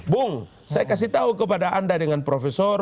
bung saya kasih tahu kepada anda dengan profesor